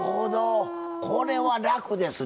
これは楽ですな。